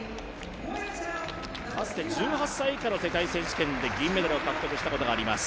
かつて１８歳以下の世界選手権で銀メダルを獲得したことがあります。